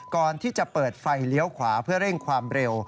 ก่อนที่จะเปิดไฟเลี้ยวขวาเพื่อเร่งความเร็ว